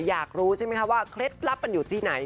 อยากรู้ใช่ไหมคะว่าเคล็ดลับมันอยู่ที่ไหน